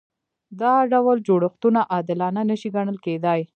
دا ډول جوړښتونه عادلانه نشي ګڼل کېدای.